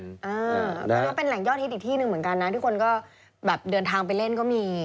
อันนี้ก็เป็นแหล่งยอดฮิตอีกที่หนึ่งเหมือนกันนะที่คนก็แบบเดินทางไปเล่นก็มี